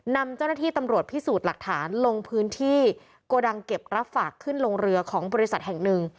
นำเจ้าหน้าที่ตำรวจพิสูจน์หลักฐานลงพื้นที่โกดังเก็บรับฝากขึ้นลงเรือของบริษัทแห่งหนึ่ง